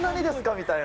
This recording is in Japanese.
みたいな。